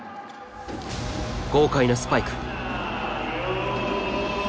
豪快なスパイク。